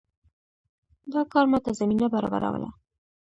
دا کار ماته زمینه برابروله.